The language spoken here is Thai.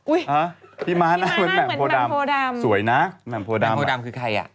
อุ๊ยพี่ม้าหน้าเหมือนแหม่งโพดำสวยนะแหม่งโพดำคือใครอ่ะ